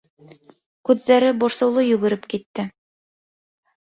Күҙҙәре борсоулы йүгереп китте.